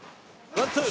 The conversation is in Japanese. ワンツー。